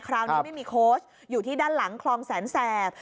คราวนี้ไม่มีโค้ชอยู่ที่ด้านหลังคลองแสนแสบ